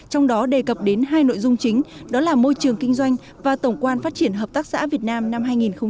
trong đó đề cập đến hai nội dung chính đó là môi trường kinh doanh và tổng quan phát triển hợp tác xã việt nam năm hai nghìn một mươi chín